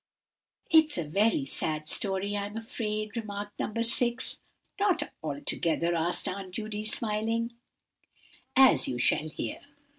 "It's a very sad story I'm afraid," remarked No. 6. "Not altogether," said Aunt Judy, smiling, "as you shall hear.